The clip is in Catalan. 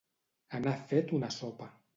Anar fet una sopa.